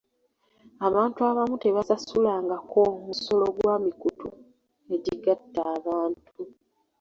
Abantu abamu tebasasulangako musolo gwa mikutu emigattabantu.